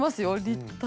立体。